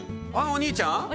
お兄ちゃん。